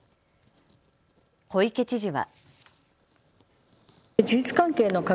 小池知事は。